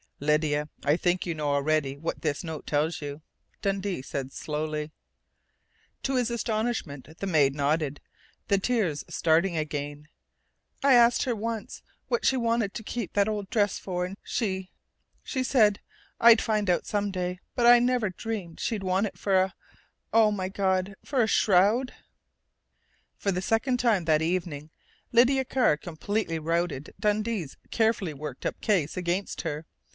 "Lydia, I think you know already what this note tells you," Dundee said slowly. To his astonishment the maid nodded, the tears starting again. "I asked her once what she wanted to keep that old dress for, and she she said I'd find out some day, but I never dreamed she'd want it for a oh, my God! for a shroud!" For the second time that evening Lydia Carr completely routed Dundee's carefully worked up case against her.